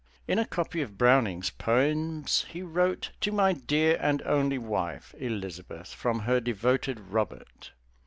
In a copy of Browning's Poems he wrote "To my dear and only wife, Elizabeth, from her devoted Robert."